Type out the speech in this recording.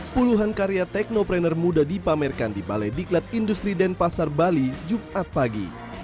puluhan karya teknoprener muda dipamerkan di balai diklat industri denpasar bali jumat pagi